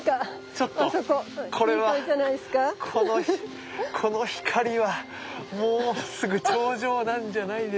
ちょっとこれはこの光はもうすぐ頂上なんじゃないですか？